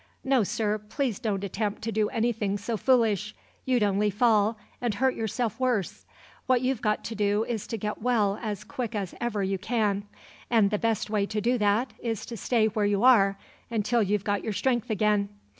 No, sir, please don't attempt to do anything so foolish; you'd only fall, and hurt yourself worse. What you've got to do is to get well as quick as ever you can; and the best way to do that is to stay where you are until you've got your strength again.